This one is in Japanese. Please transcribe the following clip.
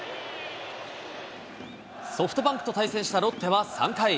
ソフトバンクと対戦したロッテは３回。